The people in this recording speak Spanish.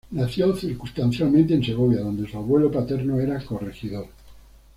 Nació circunstancialmente en Segovia, donde su abuelo paterno era corregidor.